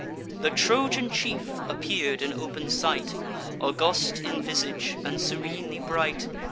The Trojan chief appear'd in open sight, August in visage, and serenely bright.